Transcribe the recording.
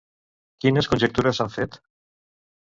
Quines conjectures s'han fet?